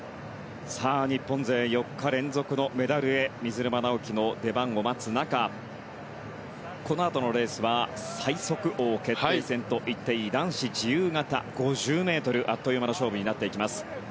日本勢４日連続のメダルへ水沼尚輝の出番を待つ中でこのあとのレースは最速王決定戦といっていい男子自由形５０ｍあっという間の勝負になってきます。